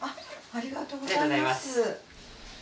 ありがとうございます。